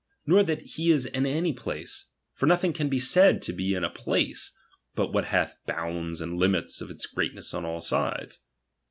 Nor that he is in any place ; for nothing can be said to be in a place, but what hath hounds and limits of its greatness on all sides.